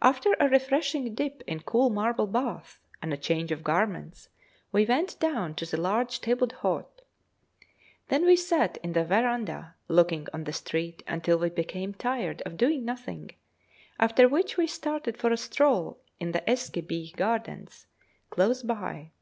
After a refreshing dip in cool marble baths and a change of garments, we went down to the large table d'hôte. Then we sat in the verandah looking on the street until we became tired of doing nothing, after which we started for a stroll in the Ezkebieh gardens close by.